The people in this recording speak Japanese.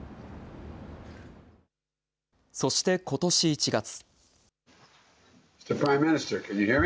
そして、ことし１月。